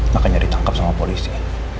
makanya ditangkep sama polisi